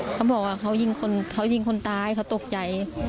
เขาบอกว่าเขายิงคนตายเขาตกใจ